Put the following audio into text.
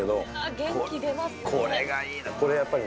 元気出ますね。